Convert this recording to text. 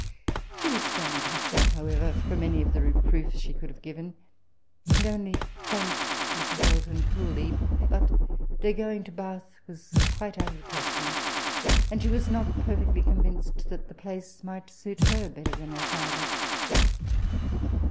She restrained hersel? however, lirom any of the reproofs she could have given, and only thanked Mrs. Elton coolly ;' but their going to Bath was quite out of the question ; and she was not perfectly con vinced that the place might suit her bet ter Uian her father.